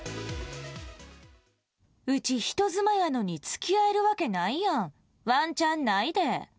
うち人妻やのに付きあえるわけないやんワンチャンないで。